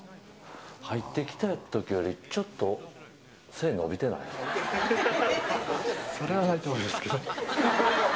入って来たときより、それはないと思いますけど。